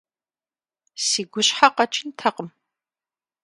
Си гущхьэ къэкӀынтэкъым!